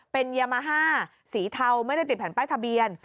เป็นยามาฮ่าสีเทาไม่ได้ติดแผ่นป้ายทะเบียน